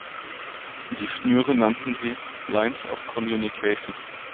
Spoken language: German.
Die Schnüre nannten sie "Lines of Communication".